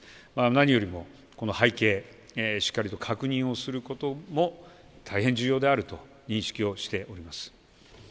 何よりも、背景しっかりと確認をすることも大変重要であると認識をしております。